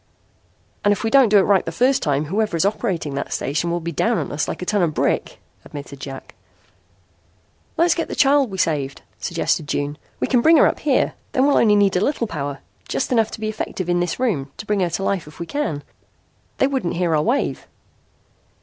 "And if we don't do it right the first time, whoever is operating that station will be down on us like a ton of brick," admitted Jack. "Let's get the child we saved," suggested June. "We can bring her up here. Then we'll need only a little power, just enough to be effective in this room, to bring her to life if we can. They wouldn't hear our wave."